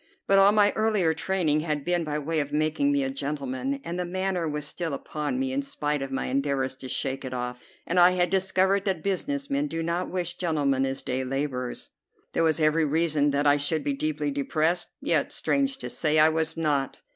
But all my earlier training had been by way of making me a gentleman, and the manner was still upon me in spite of my endeavors to shake it off, and I had discovered that business men do not wish gentlemen as day laborers. There was every reason that I should be deeply depressed; yet, strange to say, I was not.